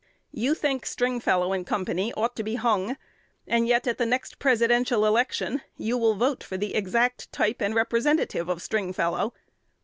You think Stringfellow & Co. ought to be hung; and yet, at the next Presidential election, you will vote for the exact type and representative of Stringfellow.